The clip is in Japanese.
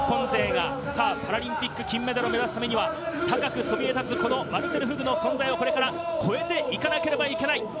パラリンピック金メダルを日本勢が目指すためには高くそびえ立つマルセル・フグの存在をこれから超えていかなければならない。